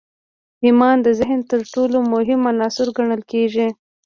ايمان د ذهن تر ټولو مهم عنصر ګڼل کېږي.